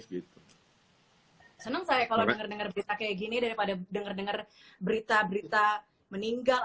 senang saya kalau dengar dengar berita kaya gini daripada dengar dengar berita berita meninggal